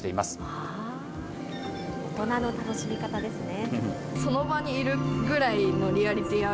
大人の楽しみ方ですね。